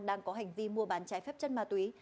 đang có hành vi mua bán trái phép chất ma túy